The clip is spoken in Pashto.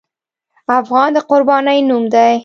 افغان د قربانۍ نوم دی.